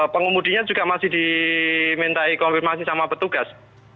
pengemudinya juga masih dimintai konfirmasi sama petugas